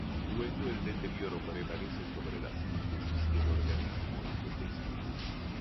Luego el deterioro prevalece sobre la síntesis y el organismo envejece.